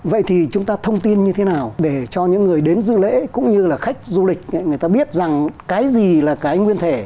vậy thì chúng ta thông tin như thế nào để cho những người đến dư lễ cũng như là khách du lịch người ta biết rằng cái gì là cái nguyên thể